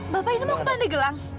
bapak ini mau ke pandegelang